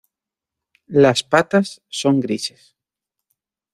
Las patas son grises.